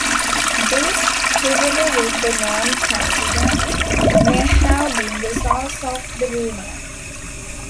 This, together with the name coincidence, may have been the source of the rumour.